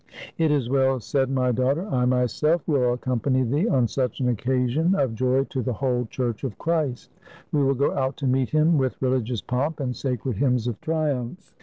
"It is well said, my daughter. I myself will accom 148 THE CHRISTMAS OF 496 pany thee on such an occasion of joy to the whole Church of Christ. We will go out to meet him with re ligious pomp and sacred hymns of triumph.